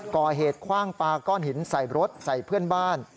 ก่อเหตุคว่างปลาก้อนหินใส่รถใส่เพื่อนบ้าน